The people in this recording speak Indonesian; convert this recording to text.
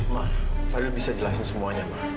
ma fadil bisa jelasin semuanya ma